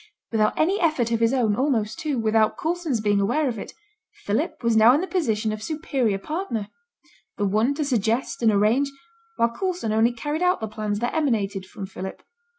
Without any effort of his own, almost, too, without Coulson's being aware of it, Philip was now in the position of superior partner; the one to suggest and arrange, while Coulson only carried out the plans that emanated from Philip.